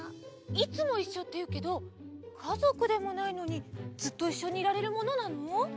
「いつもいっしょ」っていうけどかぞくでもないのにずっといっしょにいられるものなの？